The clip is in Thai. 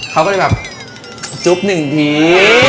เขาก็เลยแบบจุ๊บหนึ่งที